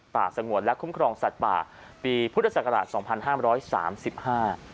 สงวนและคุ้มครองสัตว์ป่าปีพุทธศักราชสองพันห้ามร้อยสามสิบห้า